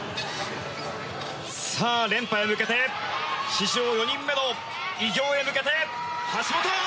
連覇に向けて史上４人目の偉業に向けて橋本。